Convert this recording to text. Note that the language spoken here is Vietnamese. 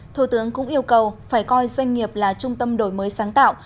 thủ tướng cũng yêu cầu phải coi doanh nghiệp là trung tâm đổi mới sáng tạo